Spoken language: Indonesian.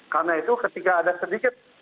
karena itu ketika ada sedikit